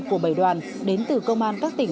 của bảy đoàn đến từ công an các tỉnh